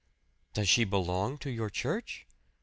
"Does she belong to your church?"